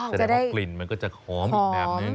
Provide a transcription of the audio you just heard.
จะดีเป็นว่ากลิ่นก็จะขอมอีกแบบนึง